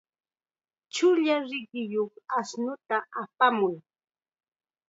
Chulla rinriyuq ashnuta apamuy.